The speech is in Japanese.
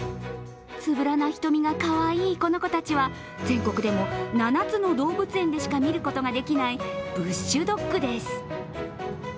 つぶらな瞳がかわいい、この子たちは全国でも７つの動物園でしか見ることができないブッシュドッグです。